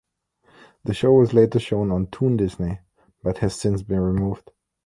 The show was later shown on Toon Disney, but has since been removed.